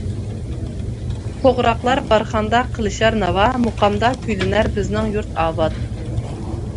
توغراقلار بارخاندا قىلىشار ناۋا، مۇقامدا كۈيلىنەر بىزنىڭ يۇرت ئاۋات.